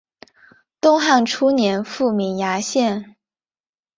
东汉初年复名衙县。